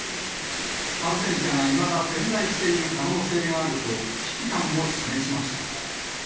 感染者がいまだ潜在している可能性があると、危機感を示しました。